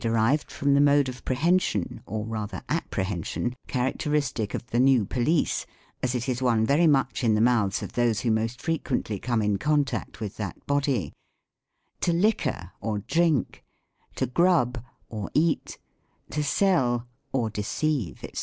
derived from the mode of prehension, or rather appre hension characteristic of the New Police, as it is one very much in the mouths of those who most frequently come in contact with that body: to "liquor," or drink; to " grub," or eat ; to " sell," or deceive, &c.